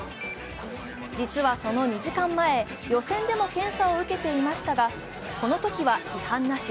実は、その２時間前、予選でも検査を受けていましたが、このときは違反なし。